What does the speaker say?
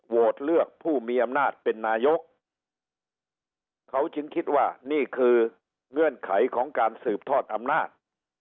เลือกผู้มีอำนาจเป็นนายกเขาจึงคิดว่านี่คือเงื่อนไขของการสืบทอดอำนาจ